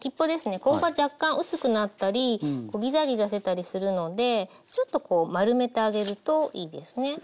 ここが若干薄くなったりギザギザしてたりするのでちょっとこう丸めてあげるといいですね。